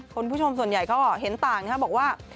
คุณผู้ชมส่วนใหญ่ก็เห็นต่างนะครับบอกว่า